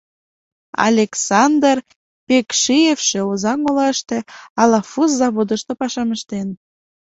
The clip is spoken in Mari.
Александр Пекшиевше Озаҥ олаште Алафуз заводышто пашам ыштен.